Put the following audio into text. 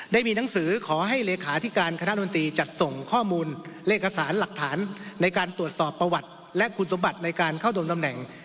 ได้มีหนังสือขอให้เลขาธิการคณะมนตรีจัดส่งข้อมูลเลขเอกสารหลักฐานในการตรวจสอบประวัติและคุณสมบัติในการเข้าดงตำแหน่ง